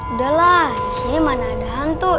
udahlah disini mana ada hantu